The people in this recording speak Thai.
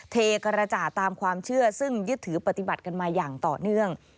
อธิบัติกันมาอย่างต่อเนื่อง